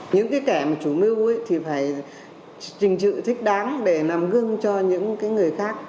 những cái kẻ mà chủ mưu thì phải trình trự thích đáng để nằm gương cho những người khác